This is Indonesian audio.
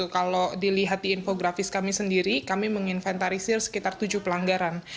kalau dilihat di infografis kami sendiri kami menginventarisir sekitar tujuh pelanggaran